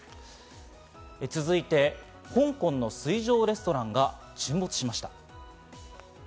続いて、香港の水上レストランが沈没しました。